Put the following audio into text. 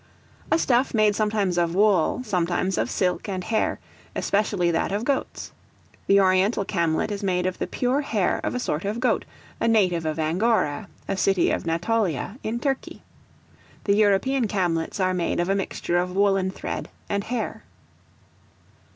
A stuff made sometimes of wool, sometimes of silk and hair, especially that of goats. The oriental camlet is made of the pure hair of a sort of goat, a native of Angora, a city of Natolia, in Turkey. The European camlets are made of a mixture of woollen thread and hair.